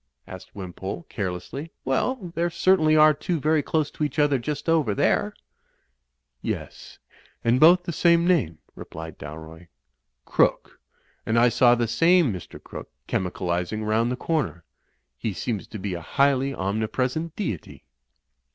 asked Wimpole, carelessly. "Well, there certainly are two very close to each other just over there." "Yes, and both the same name," replied Dalroy, "Crooke. And I saw the same Mr. Crooke chemical izing round the comer. He seems to be a highly omni present^ deity."